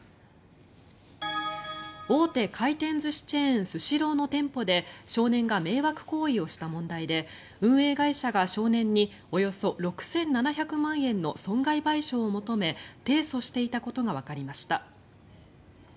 大手回転寿司チェーンスシローの店舗で少年が迷惑行為をした問題で運営会社が少年におよそ６７００万円の損害賠償を求め提訴していたことがわかりました。